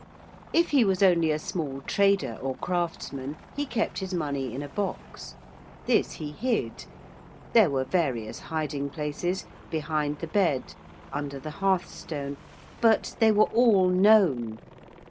If he was only a small trader or craftsman he kept his money in a box: this he hid: there were various hiding places: behind the bed, under the hearthstone but they were all known.